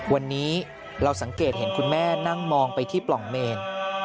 วันนี้เราสังเกตเห็นคุณแม่นั่งมองไปที่ปล่องเมน